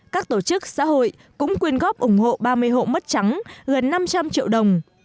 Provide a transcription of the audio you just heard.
các tổ chức xã hội cũng quyên góp ủng hộ ba mươi hộ mất trắng gần năm trăm linh triệu đồng